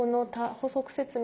補足説明。